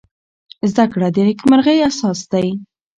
زده کړه د نېکمرغۍ اساس دی.